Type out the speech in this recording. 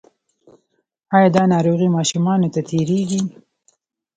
ایا دا ناروغي ماشومانو ته تیریږي؟